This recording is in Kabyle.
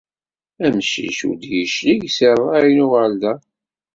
Amcic ur d-yeclig seg ṛṛay n uɣerday.